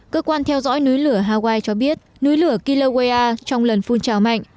cơ quan theo dõi núi lửa hawaii cho biết núi lửa kilowaya trong lần phun trào mạnh